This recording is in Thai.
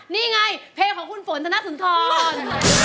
นี่ไงเพลงของขุนฝนธนสุทธิน